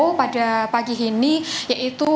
pertanyaan yang akan kita bagi ini yaitu